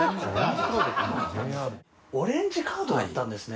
オレンジカードだったんですね。